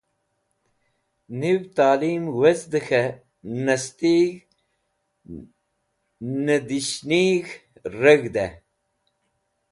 Niv talim wezdẽ k̃hẽ nastig̃ht nẽdishnig̃h reg̃hdẽ.